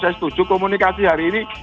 saya setuju komunikasi hari ini